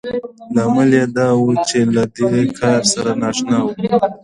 لامل يې دا و چې له دې کار سره نااشنا وو.